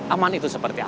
aman itu seperti apa